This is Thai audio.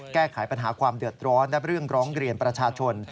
แก้ไขปัญหาความเดือดร้อนและเรื่องร้องเรียนประชาชน